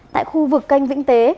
tại khu vực canh vĩnh sơn